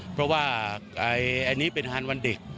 เพราะว่าอันนี้เป็นฮานวันเด็ก